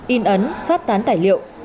in ấn phát tán tài liệu